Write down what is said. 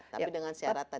tapi dengan syarat tadi